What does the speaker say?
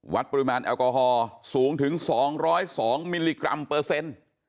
วัดปริมาณแอลกอฮอลสูงถึง๒๐๒มิลลิกรัมเปอร์เซ็นต์